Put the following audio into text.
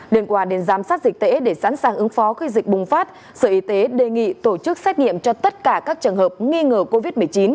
liên quan đến giám sát dịch tễ để sẵn sàng ứng phó khi dịch bùng phát sở y tế đề nghị tổ chức xét nghiệm cho tất cả các trường hợp nghi ngờ covid một mươi chín